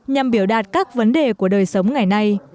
nhằm biểu đạt các vấn đề của đời sống ngày nay